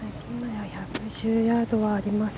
１１０ヤードはあります。